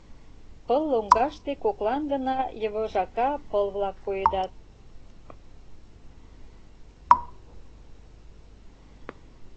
Пыл лоҥгаште коклан гына йывыжака пыл-влак коедат.